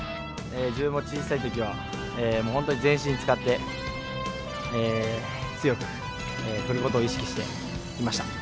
自分も小さいときは、本当に全身を使って強く振ることを意識していました。